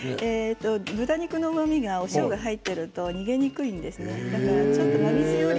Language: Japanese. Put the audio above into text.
豚肉のうまみが、塩が入っていると逃げにくいんですね。